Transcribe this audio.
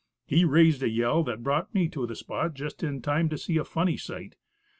He raised a yell that brought me to the spot just in time to see a funny sight.